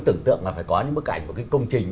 tưởng tượng là phải có những bức ảnh của cái công trình